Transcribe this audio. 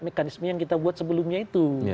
mekanisme yang kita buat sebelumnya itu